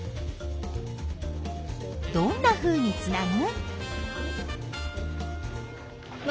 どんなふうにつなぐ？